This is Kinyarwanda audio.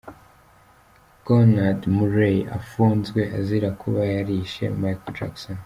Conrad Murray afunzwe azira kuba yarishe Michael Jackson.